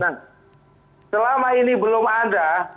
nah selama ini belum ada